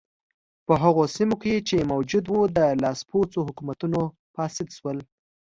په هغو سیمو کې چې موجود و د لاسپوڅو حکومتونو فاسد شول.